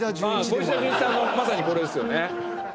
小石田純一さんもまさにこれですよね。